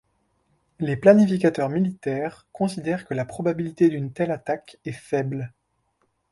Les planificateurs militaires considèrent que la probabilité d'une telle attaque est faible.